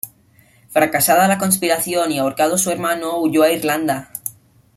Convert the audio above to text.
Fracasada la conspiración, y ahorcado su hermano, huyó de Irlanda.